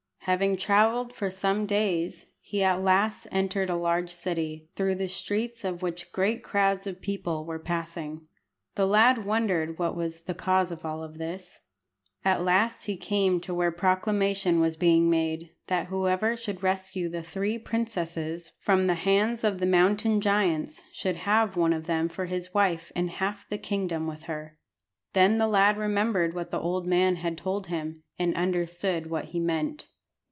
Having travelled for some days, he at last entered a large city, through the streets of which great crowds of people were passing. The lad wondered what was the cause of all this. At last he came to where proclamation was being made, that whoever should rescue the three princesses from the hands of the mountain giants should have one of them for his wife and half the kingdom with her. Then the lad remembered what the old man had told him, and understood what he meant.